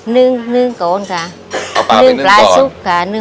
เนื้อหวาน